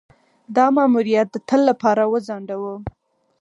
دا ماموریت د تل لپاره وځنډاوه.